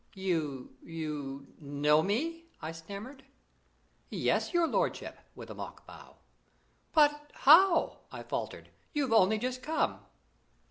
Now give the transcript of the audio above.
"You you know me?" I stammered. "Yes, your lordship," with a mock bow. "Why how ?" I faltered. "You've only just come."